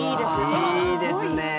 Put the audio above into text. いいですねえ。